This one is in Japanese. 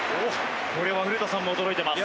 これは古田さんも驚いてます。